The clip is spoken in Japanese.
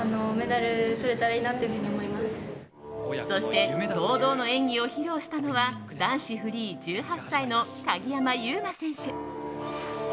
そして堂々の演技を披露したのは男子フリー１８歳の鍵山優真選手。